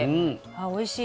あおいしい。